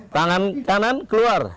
tangan kanan keluar